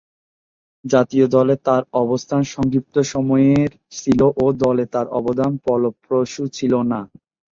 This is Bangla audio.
জাতীয় দলে তার অবস্থান সংক্ষিপ্ত সময়ের ছিল ও দলে তার অবদান ফলপ্রসূ ছিল না।